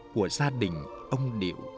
của gia đình ông điệu